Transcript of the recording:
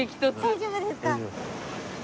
大丈夫ですか。